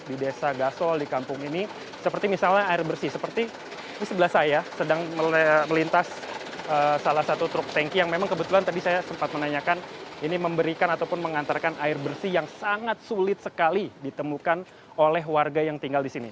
di desa gasol di kampung ini seperti misalnya air bersih seperti di sebelah saya sedang melintas salah satu truk tanki yang memang kebetulan tadi saya sempat menanyakan ini memberikan ataupun mengantarkan air bersih yang sangat sulit sekali ditemukan oleh warga yang tinggal di sini